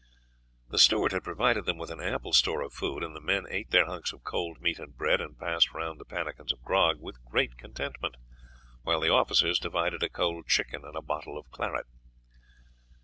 The steward had provided them with an ample store of food, and the men ate their hunks of cold meat and bread, and passed round the pannikins of grog, with great contentment, while the officers divided a cold chicken and a bottle of claret.